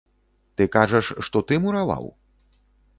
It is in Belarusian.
Ты кажаш, што ты мураваў?